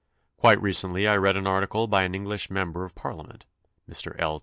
Quite recently I read an article by an English member of Parliament (Mr. L.